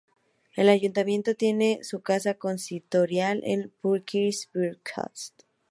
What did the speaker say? El ayuntamiento tiene su casa consistorial en Pürksi-Birkas.